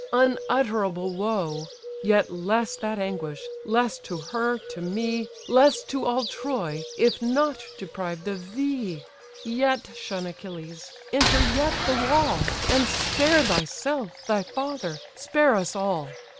unutterable woe! Yet less that anguish, less to her, to me, Less to all Troy, if not deprived of thee. Yet shun Achilles! enter yet the wall; And spare thyself, thy father, spare us all!